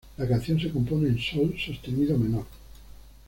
La canción se compone en sol sostenido menor.